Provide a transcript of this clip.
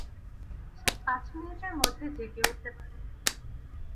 সে পাঁচ মিনিটের মধ্যে জেগে উঠতে পারে।